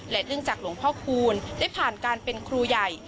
เนื่องจากหลวงพ่อคูณได้ผ่านการเป็นครูใหญ่